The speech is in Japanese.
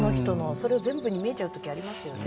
それ全部に見えちゃうときありますよね。